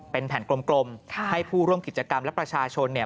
เป็นแผ่นกลมให้ผู้ร่วมกิจกรรมและประชาชนเนี่ย